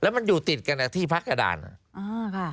แล้วมันอยู่ติดกับที่พักกับด่านอ่าค่ะ